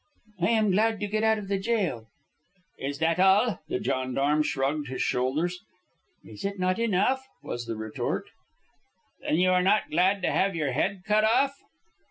"I am glad to get out of the jail." "Is that all?" The gendarme shrugged his shoulders. "Is it not enough?" was the retort. "Then you are not glad to have your head cut off?"